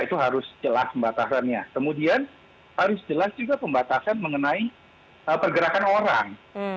itu harus jelas pembatasannya kemudian harus jelas juga pembatasan mengenai pergerakan orang